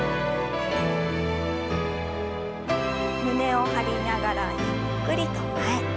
胸を張りながらゆっくりと前。